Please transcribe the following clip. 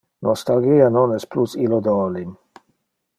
Nostalgia non es plus illo de olim.